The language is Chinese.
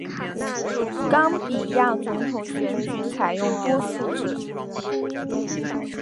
冈比亚总统选举采用多数制。